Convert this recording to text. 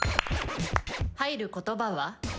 入る言葉は？